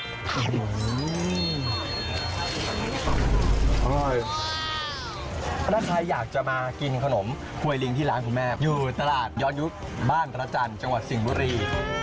อืมอร่อยถ้าใครอยากจะมากินขนมครวยลิ้งที่ร้านคุณแม่อยู่ตลาดย้อนยุคบ้านทราชันจังหวัดสิ่งบุรี